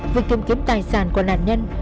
việc tìm kiếm tài sản của nạn nhân